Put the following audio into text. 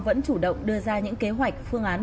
vẫn chủ động đưa ra những kế hoạch phương án